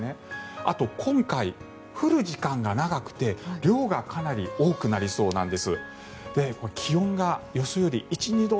あと今回、降る時間が長くて量がかなり多くなりそうなんです。